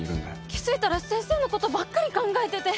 気づいたら先生のことばっかり考えてて。